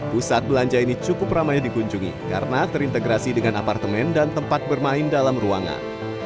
pusat belanja ini cukup ramai dikunjungi karena terintegrasi dengan apartemen dan tempat bermain dalam ruangan